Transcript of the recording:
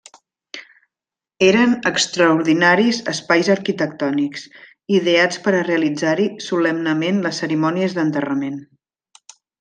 Eren extraordinaris espais arquitectònics, ideats per a realitzar-hi solemnement les cerimònies d'enterrament.